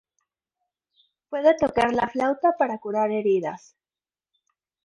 Puede tocar la flauta para curar heridas.